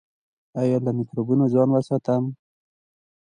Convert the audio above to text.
ایا له مکروبونو ځان وساتم؟